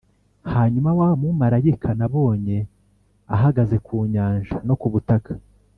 Hanyuma wa mumarayika nabonye ahagaze ku nyanja no ku butaka?